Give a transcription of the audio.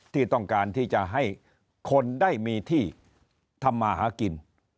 ที่ต้องการที่จะให้คนได้มีที่ทำมาหากิน